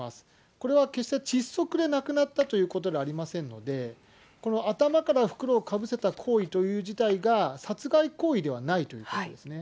これは決して窒息で亡くなったということではありませんので、頭から袋をかぶせた行為という自体が殺害行為ではないということですね。